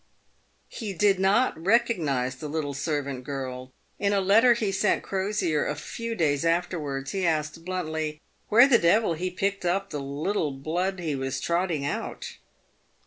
He did not recognise the little servant girl. In a letter he sent Crosier a few days afterwards, he asked him bluntly " where the devil he picked up the little blood he was trotting out